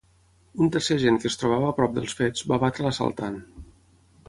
Un tercer agent que es trobava a prop dels fets va abatre l'assaltant.